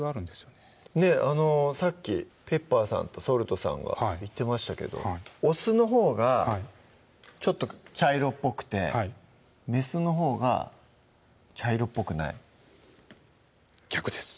ねっあのさっきペッパーさんとソルトさんが言ってましたけどオスのほうがちょっと茶色っぽくてメスのほうが茶色っぽくない逆です